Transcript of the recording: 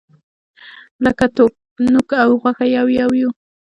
لکه نوک او غوښه یو یو یوو.